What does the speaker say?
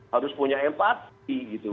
harus punya empati gitu